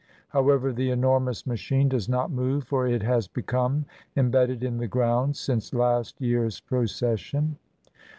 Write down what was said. However, the enormous machine does not move, for it has become embedded in the ground since last year's procession.